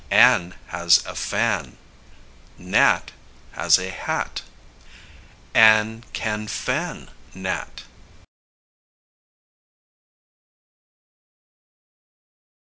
Ann has a fan. Nat has a hat. Ann can fan Nat.